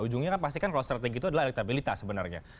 ujungnya kan pasti kan kalau strategi itu adalah elektabilitas sebenarnya